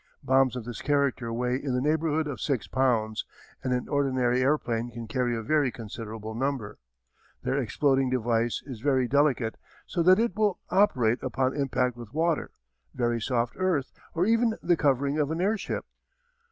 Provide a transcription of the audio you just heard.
Bombs of this character weigh in the neighbourhood of six pounds and an ordinary airplane can carry a very considerable number. Their exploding device is very delicate so that it will operate upon impact with water, very soft earth, or even the covering of an airship.